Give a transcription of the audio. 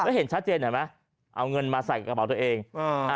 แล้วเห็นชัดเจนเห็นไหมเอาเงินมาใส่กระเป๋าตัวเองอ่า